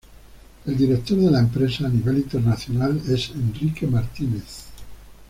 El director de la empresa a nivel internacional es Enrique Martínez.